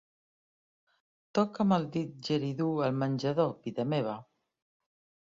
Toca'm el didjeridú al menjador, vida meva.